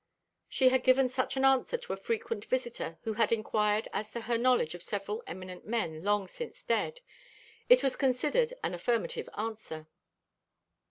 She had given such an answer to a frequent visitor who had inquired as to her knowledge of several eminent men long since dead. It was considered an affirmative answer.